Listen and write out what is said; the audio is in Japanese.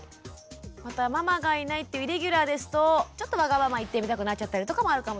またママがいないっていうイレギュラーですとちょっとワガママ言ってみたくなっちゃったりとかもあるかもしれないですもんね。